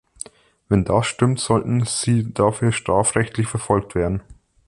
Wenn das stimmt, sollten Sie dafür strafrechtlich verfolgt werden.